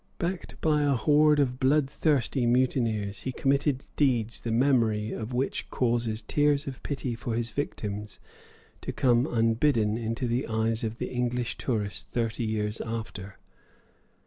Backed by a horde of blood thirsty mutineers, he committed deeds the memory of which causes tears of pity for his victims to come unbidden into the eyes of the English tourist thirty years after.